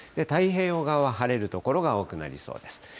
太平洋側は晴れる所が多くなりそうです。